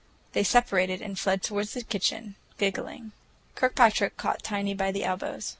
They separated and fled toward the kitchen, giggling. Kirkpatrick caught Tiny by the elbows.